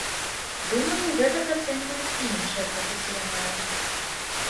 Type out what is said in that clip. Думаю, гэтак ацэньваюць і іншыя прафесіяналы.